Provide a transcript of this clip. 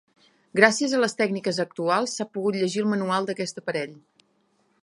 Gràcies a les tècniques actuals, s'ha pogut llegir el manual d'aquest aparell.